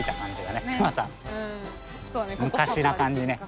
昔な感じね。